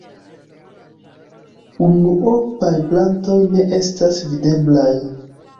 Unuopaj plantoj ne estas videblaj.